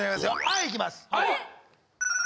Ｉいきます